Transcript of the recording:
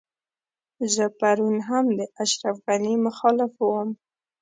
زه پرون هم د اشرف غني مخالف وم.